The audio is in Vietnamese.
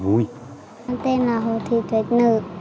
mình tên là hồ thị thuếch nữ